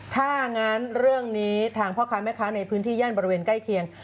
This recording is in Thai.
ถ้างั้นเรื่องนี้ทางพ่อค้าแม่ค้าในพื้นที่ย่านบริเวณใกล้เคียง